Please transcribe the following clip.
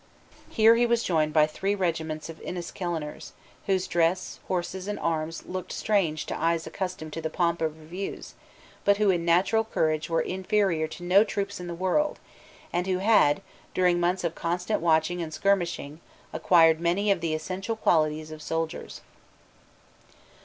Here he was joined by three regiments of Enniskilleners, whose dress, horses, and arms locked strange to eyes accustomed to the pomp of reviews, but who in natural courage were inferior to no troops in the world, and who had, during months of constant watching and skirmishing, acquired many of the essential qualities of soldiers.